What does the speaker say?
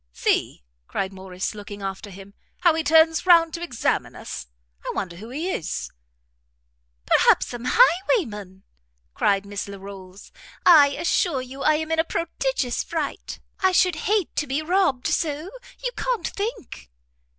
"See," cried Morrice, looking after him, "how he turns round to examine us! I wonder who he is." "Perhaps some highwayman!" cried Miss Larolles; "I assure you I am in a prodigious fright; I should hate to be robbed so you can't think."